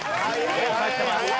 もう帰ってます。